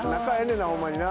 んなホンマにな。